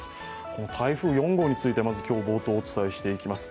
この台風４号について今日は冒頭、お伝えしていきます。